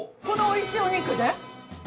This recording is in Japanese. このおいしいお肉で？